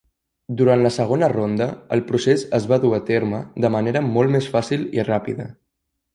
Durant la segona ronda, el procés es va dur a terme de manera molt més fàcil i ràpida.